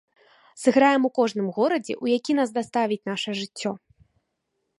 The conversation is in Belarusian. Сыграем у кожным горадзе, у які нас даставіць наша жыццё.